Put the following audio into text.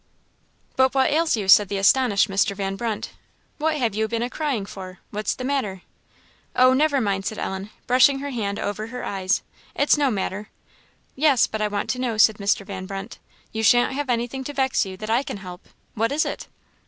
"But what ails you?" said the astonished Mr. Van Brunt; "what have you been a crying for? what's the matter?" "Oh, never mind," said Ellen, brushing her hand over her eyes "it's no matter." "Yes, but I want to know," said Mr. Van Brunt; "you shan't have anything to vex you that I can help; what is it?"